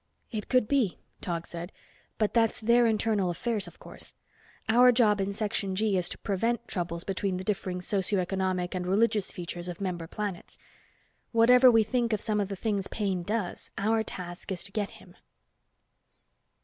"It could be," Tog said, "but that's their internal affairs, of course. Our job in Section G is to prevent troubles between the differing socio economic and religious features of member planets. Whatever we think of some of the things Paine does, our task is to get him."